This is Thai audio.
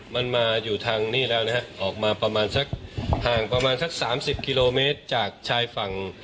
มันมาอยู่ทางนี้แล้วนะฮะออกมาประมาณสักห่างประมาณสัก๓๐กิโลเมตรจากชายฝั่ง